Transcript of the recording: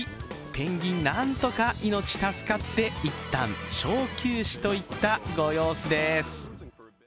ペンギン、なんとか命助かって一旦小休止といったご様子です。